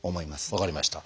分かりました。